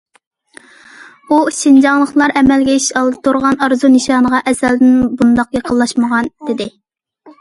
ئۇ:‹‹ شىنجاڭلىقلار ئەمەلگە ئېشىش ئالدىدا تۇرغان ئارزۇ نىشانىغا ئەزەلدىن بۇنداق يېقىنلاشمىغان››، دېدى.